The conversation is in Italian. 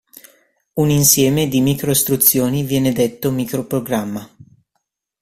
Un insieme di micro-istruzioni viene detto micro-programma.